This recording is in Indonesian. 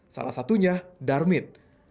salah satunya darmin